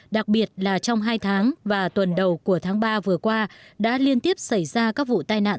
đặc biệt là trong hai tháng và tuần đầu của tháng ba vừa qua đã liên tiếp xảy ra các vụ tai nạn